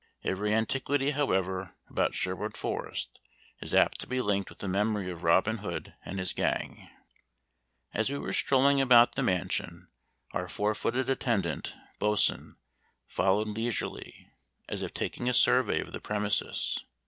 Every antiquity, however, about Sherwood Forest is apt to be linked with the memory of Robin Hood and his gang. As we were strolling about the mansion, our four footed attendant, Boatswain, followed leisurely, as if taking a survey of the premises.